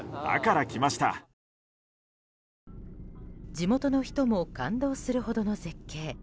地元の人も感動するほどの絶景。